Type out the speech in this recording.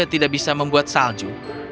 tidak bisa membuat salju